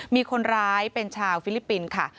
มีคนร้ายเป็นชาวฟิลิปปินส์ค่ะ